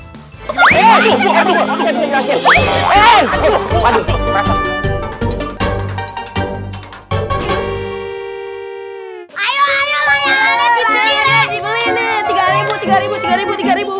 tiga ribu tiga ribu tiga ribu tiga ribu